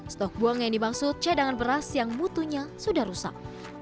stok buang yang dimaksud cadangan beras yang mutunya sudah rusak